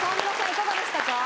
いかがでしたか？